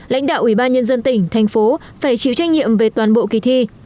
lãnh đạo ủy ban nhân dân tỉnh thành phố phải chịu trách nhiệm về toàn bộ kỳ thi